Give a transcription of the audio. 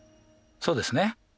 そうですね。